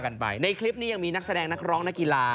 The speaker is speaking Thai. กันไปในคลิปนี้ยังมีนักแสดงนักร้องนักกีฬา